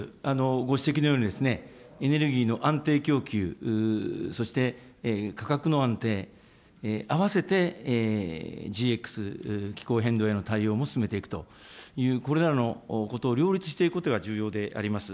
ご指摘のようにエネルギーの安定供給、そして価格の安定、合わせてＧＸ、気候変動への対応も進めていくという、これらのことを両立していくことが重要であります。